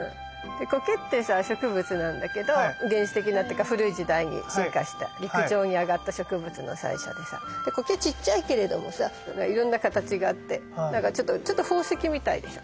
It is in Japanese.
でコケってさ植物なんだけど原始的なっていうか古い時代に進化した陸上に上がった植物の最初でさコケちっちゃいけれどもさいろんな形があってなんかちょっと宝石みたいでしょ。